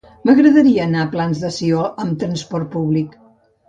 M'agradaria anar als Plans de Sió amb trasport públic.